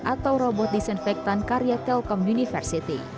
atau robot disinfektan karya telkom university